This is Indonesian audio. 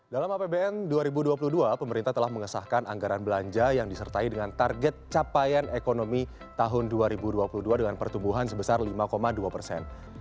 dalam apbn dua ribu dua puluh dua pemerintah telah mengesahkan anggaran belanja yang disertai dengan target capaian ekonomi tahun dua ribu dua puluh dua dengan pertumbuhan sebesar lima dua persen